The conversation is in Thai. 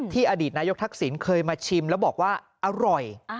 อดีตนายกทักษิณเคยมาชิมแล้วบอกว่าอร่อย